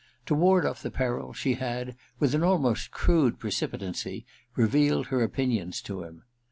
To ward oflT the peril she had, with an almost crude precipi tancy, revealed her opinions to him.